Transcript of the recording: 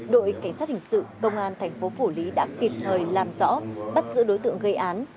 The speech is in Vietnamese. đội cảnh sát hình sự công an thành phố phủ lý đã kịp thời làm rõ bắt giữ đối tượng gây án